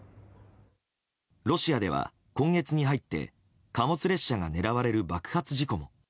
ロシアでは、今月に入って貨物列車が狙われる爆発事故も。